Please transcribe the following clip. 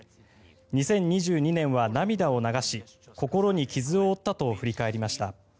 ２０２２年は涙を流し心に傷を負ったと振り返りました。